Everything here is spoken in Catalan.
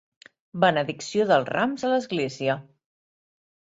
Benedicció dels rams a l'església.